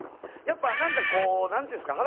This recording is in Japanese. やっぱなんかこうなんていうんですか？